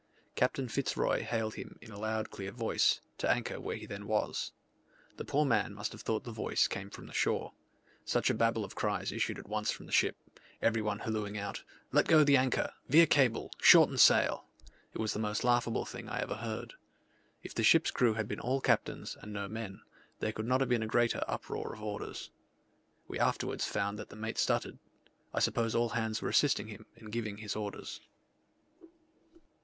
Captain Fitz Roy hailed him, in a loud clear voice, to anchor where he then was. The poor man must have thought the voice came from the shore: such a Babel of cries issued at once from the ship every one hallooing out, "Let go the anchor! veer cable! shorten sail!" It was the most laughable thing I ever heard. If the ship's crew had been all captains, and no men, there could not have been a greater uproar of orders. We afterwards found that the mate stuttered: I suppose all hands were assisting him in giving his orders.